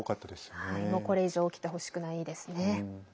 もうこれ以上起きてほしくないですね。